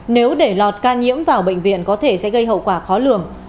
nếu để lọt ca nhiễm vào bệnh viện có thể sẽ gây hậu quả khó lường